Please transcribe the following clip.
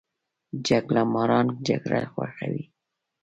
جګړه ماران جګړه خوښوي